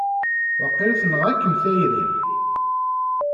Waqila tenɣa-kem tayri!